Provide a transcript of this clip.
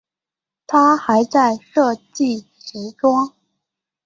她还设计时装。